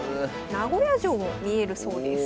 名古屋城も見えるそうです。